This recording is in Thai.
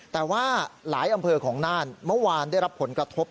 แต่ว่าหลายอำเภอของน่านเมื่อวานได้รับผลกระทบ